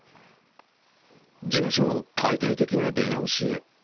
事務所の解体的出直しへ。